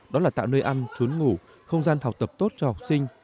đó là tạo nơi ăn trốn ngủ không gian học tập tốt cho học sinh